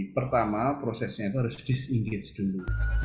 pertama prosesnya itu harus disengage dulu